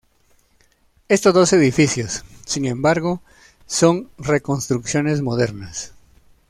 Estos dos edificios, sin embargo, son reconstrucciones modernas.